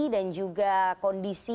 dan juga kondisi